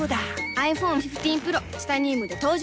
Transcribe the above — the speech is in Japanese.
ｉＰｈｏｎｅ１５Ｐｒｏ チタニウムで登場